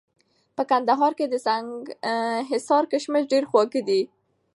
په کندهار کي د سنګحصار کشمش ډېر خواږه دي